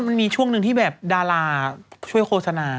มันมีช่วงหนึ่งที่แบบดาราช่วยโฆษณา